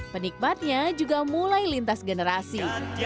penikmatnya juga mulai lintas generasi